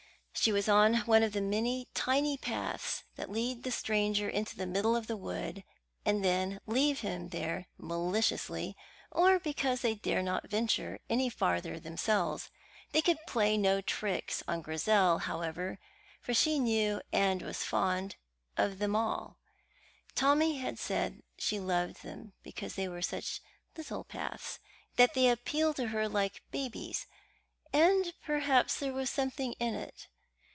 She was on one of the many tiny paths that lead the stranger into the middle of the wood and then leave him there maliciously or because they dare not venture any farther themselves. They could play no tricks on Grizel, however, for she knew and was fond of them all. Tommy had said that she loved them because they were such little paths, that they appealed to her like babies; and perhaps there was something in it.